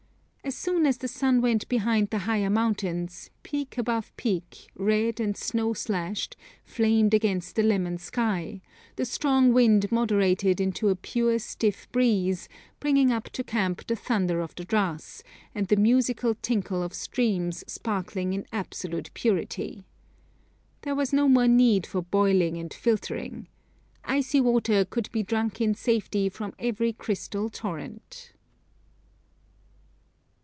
As soon as the sun went behind the higher mountains, peak above peak, red and snow slashed, flamed against a lemon sky, the strong wind moderated into a pure stiff breeze, bringing up to camp the thunder of the Dras, and the musical tinkle of streams sparkling in absolute purity. There was no more need for boiling and filtering. Icy water could be drunk in safety from every crystal torrent.